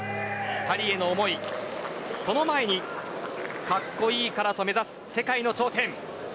パリへの思い、その前にかっこいいからと目指す世界の頂点。